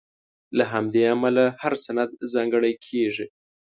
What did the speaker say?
له همدې امله هر سند ځانګړی کېږي.